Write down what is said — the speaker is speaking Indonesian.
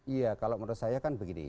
iya kalau menurut saya kan begini